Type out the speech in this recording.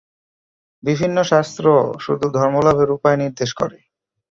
বিভিন্ন শাস্ত্র শুধু ধর্মলাভের উপায় নির্দেশ করে।